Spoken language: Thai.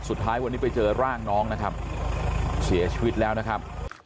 สุดท้ายวันนี้ไปเจอร่างน้องนะครับเสียชีวิตแล้วนะครับ